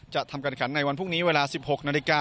ทำการขันในวันพรุ่งนี้เวลา๑๖นาฬิกา